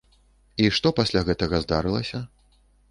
І што пасля гэтага здарылася?